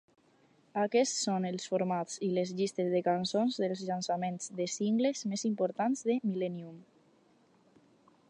Aquests són els formats i les llistes de cançons dels llançaments de singles més importants de "Millennium".